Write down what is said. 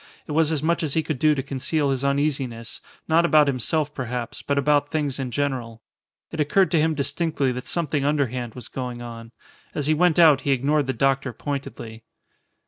It was as much as he could do to conceal his uneasiness, not about himself perhaps, but about things in general. It occurred to him distinctly that something underhand was going on. As he went out he ignored the doctor pointedly.